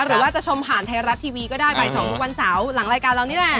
หรือว่าจะชมผ่านไทยรัฐทีวีก็ได้บ่าย๒ทุกวันเสาร์หลังรายการเรานี่แหละ